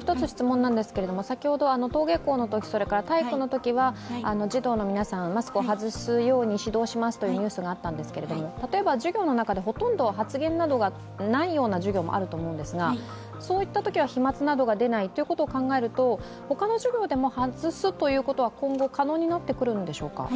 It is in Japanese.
一つ質問なんですけれども、登下校とおっしゃいましたが体育のときは児童の皆さん、マスクを外すように指導しますというニュースがあったんですけれども、例えば授業の中でほとんど発言などがないような授業もあると思うんですがそういったときは飛まつなどが出ないということを考えると他の授業でも外すということは、今後可能になってくるんでしょうか。